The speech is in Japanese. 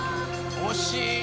惜しい。